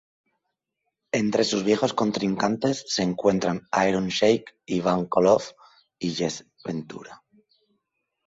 Entre sus viejos contrincantes se encuentran Iron Sheik, Ivan Koloff, y Jesse Ventura.